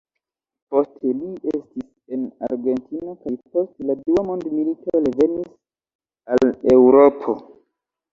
Poste li estis en Argentino kaj post la Dua Mondmilito revenis al Eŭropo.